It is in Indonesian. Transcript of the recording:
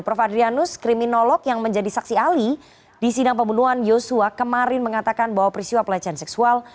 prof adrianus kriminolog yang menjadi saksi ahli di sidang pembunuhan yosua kemarin mengatakan bahwa peristiwa pelecehan seksual